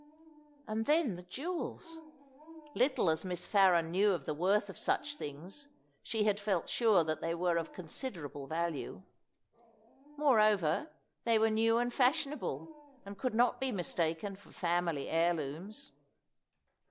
And then the jewels. Little as Miss Farren knew of the worth of such things, she had felt sure that they were of considerable value. Moreover, they were new and fashionable, and could not be mistaken for family heirlooms.